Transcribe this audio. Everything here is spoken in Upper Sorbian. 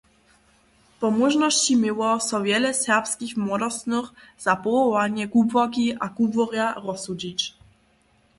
Po móžnosći měło so wjele serbskich młodostnych za powołanje kubłarki abo kubłarja rozsudźić.